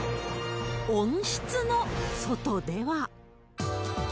温室の外では。